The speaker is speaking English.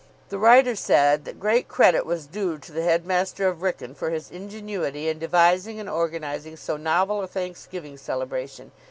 The writer said that great credit was due to the headmaster of Wrykyn for his ingenuity in devising and organising so novel a thanksgiving celebration.